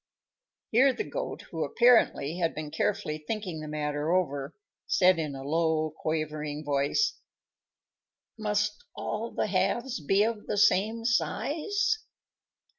Here the Goat, who apparently had been carefully thinking the matter over, said in a low, quavering voice, "Must all the halves be of the same size?"